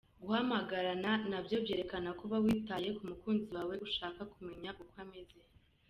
Guhamagarana nabyo byerekana ko uba witaye ku mukunzi wawe ushaka kumenya uko ameze.